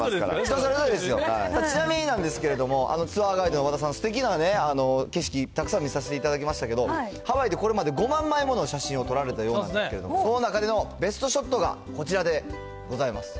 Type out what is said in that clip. ちなみになんですけれども、あのツアーガイドの和田さん、すてきな景色たくさん見させていただきましたけど、ハワイでこれまで５万枚もの写真を撮られたようなんですけど、その中のベストショットがこちらでございます。